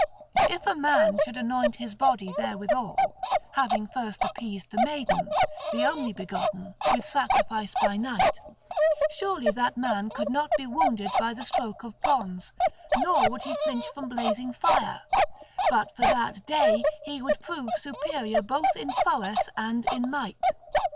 If a man should anoint his body therewithal, having first appeased the Maiden, the only begotten, with sacrifice by night, surely that man could not be wounded by the stroke of bronze nor would he flinch from blazing fire; but for that day he would prove superior both in prowess and in might.